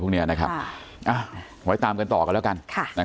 ไปตามต่อกันแล้วกัน